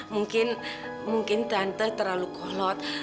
mungkin mungkin tante terlalu kolot